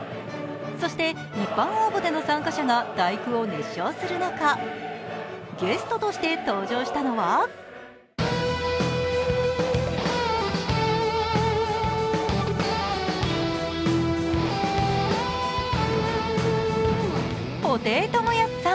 そして、一般応募での参加者が「第九」を熱唱する中、ゲストとして登場したのは布袋寅泰さん。